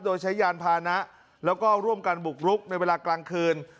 โดยใช้ยานพานะแล้วก็ร่วมกันบุกรุกในเวลากลางคืน